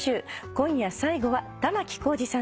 今夜最後は。